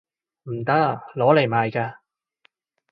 唔得！攞嚟賣㗎